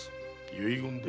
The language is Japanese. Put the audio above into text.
遺言で？